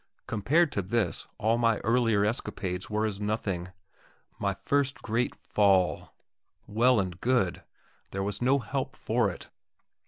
Compared to this, all my earlier escapades were as nothing my first great fall.... Well and good! There was no help for it.